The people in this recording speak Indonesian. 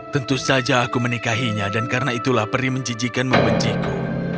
tentu saja aku menikahinya dan karena itulah peri menjijikan membenciku